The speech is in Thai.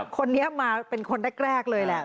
คนนี้มาเป็นคนแรกเลยแหละ